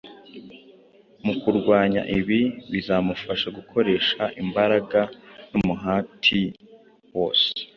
Mu kurwanya ibi, bizamusaba gukoresha imbaraga n’umuhati wose.